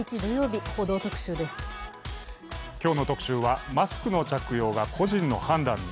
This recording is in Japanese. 今日の特集はマスクの着用が個人の判断に。